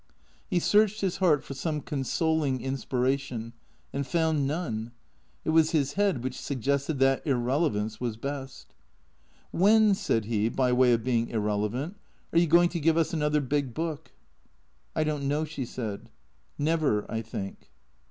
He searched his heart for some consoling inspiration, and found none. It was his head which suggested that irrelevance was best. " When/' said he, by way of being irrelevant, " are you going to give us another big book ?"" I don't know," she said. " Never, I think."